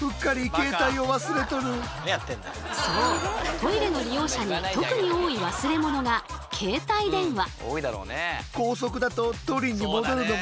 トイレの利用者に特に多い忘れ物が携帯電話。